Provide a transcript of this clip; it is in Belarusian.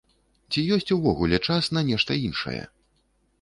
Ці ёсць увогуле час на нешта іншае?